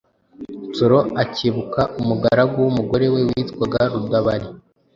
Nsoro akebuka umugaragu w’umugore we witwaga Rudabari,